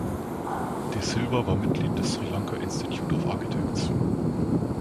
De Silva war Mitglied des Sri Lanka Institute of Architects.